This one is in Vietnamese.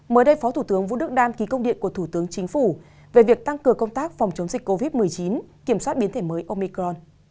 mới đây phó thủ tướng vũ đức đam ký công điện của thủ tướng chính phủ về việc tăng cường công tác phòng chống dịch covid một mươi chín kiểm soát biến thể mới omicron